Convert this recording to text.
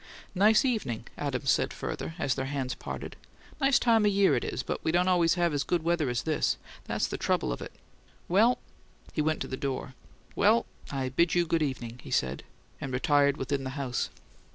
"Nice evening," Adams said further, as their hands parted. "Nice time o' year it is, but we don't always have as good weather as this; that's the trouble of it. Well " He went to the door. "Well I bid you good evening," he said, and retired within the house.